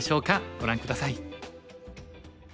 ご覧下さい。